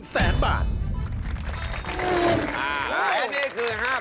เสาคำยันอาวุธิ